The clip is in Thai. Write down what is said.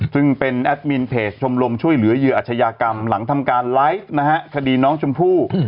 ซึ่งเป็นแอดมินเพจชมรมช่วยเหลือเหยื่ออาชญากรรมหลังทำการไลฟ์นะฮะคดีน้องชมพู่